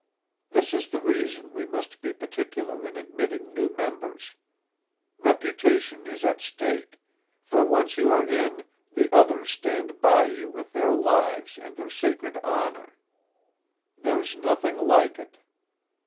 This is the reason we must be particular in admitting new members. Reputation is at stake; for, once you are in, the others stand by you with their lives and their sacred honor. There's nothing like it."